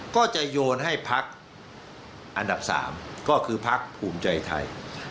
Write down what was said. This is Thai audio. ก็จะโยนให้พักอันดับ๓ก็คือพักภูมิใจไทย